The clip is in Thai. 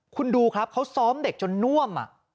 คุณดูครับเขาซ้อมเด็กจนน่วม